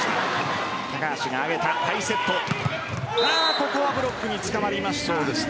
ここはブロックにつかまりました。